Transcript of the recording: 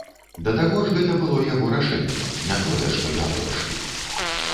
Да таго ж, гэта было яго рашэнне, не тое, што я вырашыў.